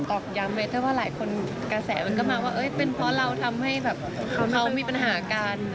อกย้ำเลยถ้าว่าหลายคนกระแสมันก็มาว่าเป็นเพราะเราทำให้แบบเขามีปัญหากัน